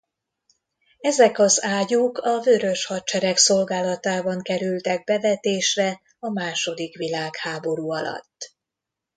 Ezek az ágyúk a Vörös Hadsereg szolgálatában kerültek bevetésre a második világháború alatt.